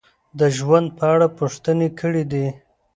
د ژوند په اړه پوښتنې کړې دي: